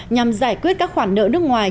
nhằm giải quyết các khoản nợ nước ngoài